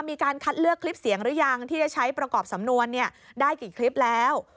มีการคัดเลือกคลิปเสียงหรือยังที่จะใช้ประกอบสำนวนได้กี่คลิปแล้ว